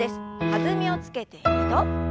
弾みをつけて２度。